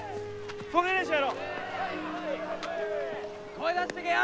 声出していけよ！